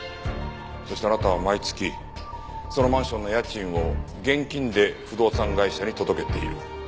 そしてあなたは毎月そのマンションの家賃を現金で不動産会社に届けている。